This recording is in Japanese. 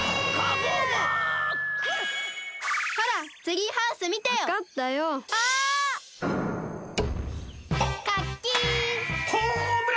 ホームランじゃ！